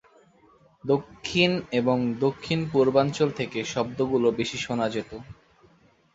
দক্ষিণ এবং দক্ষিণ-পূর্বাঞ্চল থেকে শব্দগুলো বেশি শোনা যেত।